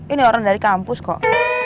ini orang dari kampus kok